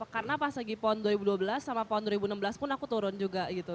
karena pas lagi pon dua ribu dua belas sama pon dua ribu enam belas pun aku turun juga gitu